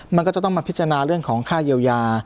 มันก็จะต้องมาพิจารณาเรื่องของค่าเยียวยา